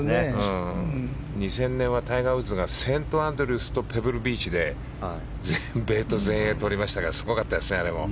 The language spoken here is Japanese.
２０００年はタイガー・ウッズがセントアンドリュースとペブルビーチで全米と全英をとりましたからすごかったですね、あれも。